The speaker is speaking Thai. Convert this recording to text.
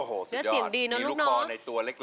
โอ้โหสุดยอดมีลูกคอในตัวเล็ก